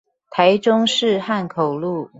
台中市漢口路